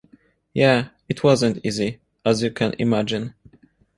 Yeah - it wasn't easy, as you can imagine.